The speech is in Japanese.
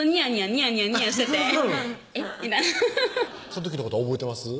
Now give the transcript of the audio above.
みたいなその時のことは覚えてます？